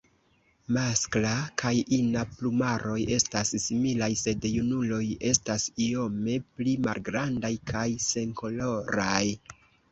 Maskla kaj ina plumaroj estas similaj, sed junuloj estas iome pli malgrandaj kaj senkoloraj.